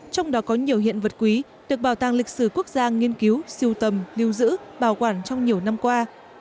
trong đó có nhiều hiện vật quý được bảo tàng lịch sử quốc gia nghiên cứu siêu tầm lưu giữ bảo quản trong nhiều năm qua